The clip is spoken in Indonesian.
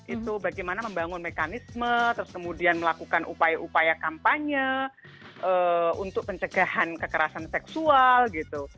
itu bagaimana membangun mekanisme terus kemudian melakukan upaya upaya kampanye untuk pencegahan kekerasan seksual gitu